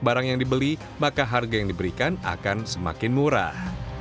barang yang dibeli maka harga yang diberikan akan semakin murah